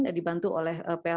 yang dibantu oleh